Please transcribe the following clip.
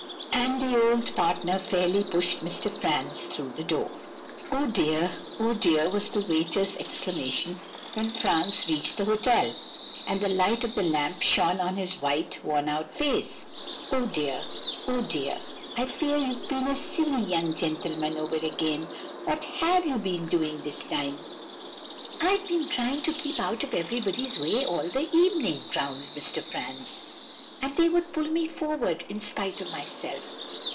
"And the old partner fairly pushed Mr. Franz through the door. "'Oh dear, oh dear!' was the waiter's exclamation when Franz reached the hotel, and the light of the lamp shone on his white, worn out face. 'Oh dear, oh dear! I fear you've been a silly young gentleman over again! What have you been doing this time?' "'I've been trying to keep out of everybody's way all the evening,' growled Mr. Franz, 'and they would pull me forward, in spite of myself.